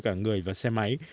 cả người và xe máy